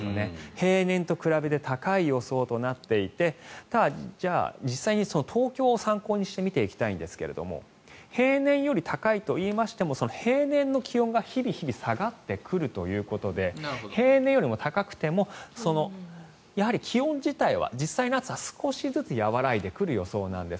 平年と比べて高い予想となっていて実際に東京を参考にして見ていきたいんですが平年より高いといいましても平年の気温が日々日々下がってくるということで平年より高くても、気温自体は実際の暑さは少しずつ和らいでくる予想なんです。